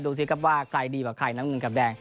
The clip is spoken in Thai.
ดูสิครับว่าใครดีกว่าใครน้ำเงินกับแดง